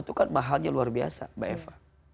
itu kan mahalnya luar biasa mbak eva